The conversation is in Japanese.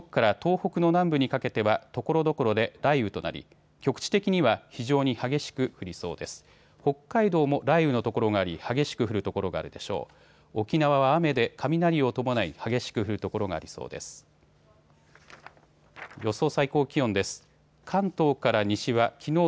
北海道も雷雨の所があり激しく降る所があるでしょう。